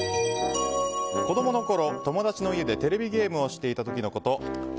子供のころ、友達の家でテレビゲームをしていた時のこと。